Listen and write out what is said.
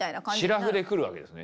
しらふで来るわけですね。